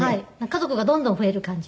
家族がどんどん増える感じです。